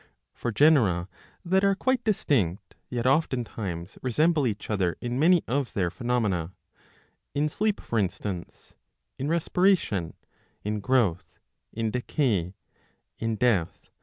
For genera ^ that are quite distinct yet oftentimes resemble each other in many of their phenomena ; in sleep, for instance, in respiration, in growth, in decay, in death, 639 a.